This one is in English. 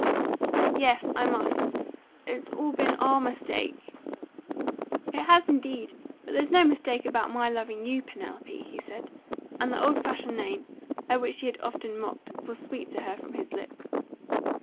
"Yes, I must. It's all been our mistake " "It has indeed! But there's no mistake about my loving you, Penelope," he said; and the old fashioned name, at which she had often mocked, was sweet to her from his lips.